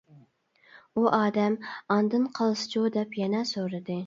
ئۇ ئادەم: ئاندىن قالسىچۇ دەپ يەنە سورىدى.